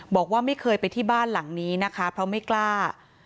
บอกว่าไม่เคยไปที่บ้านหลังนี้นะคะเพราะไม่กล้า